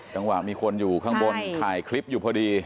จังหวะมีคนอยู่ข้างบนถ่ายคลิปอยู่พอดี